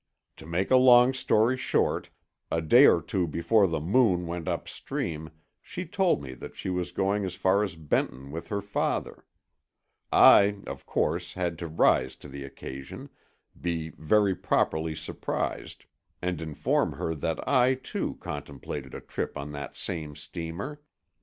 To make a long story short, a day or two before the Moon went upstream she told me that she was going as far as Benton with her father. I, of course had to rise to the occasion, be very properly surprised and inform her that I, too, contemplated a trip on that same steamer.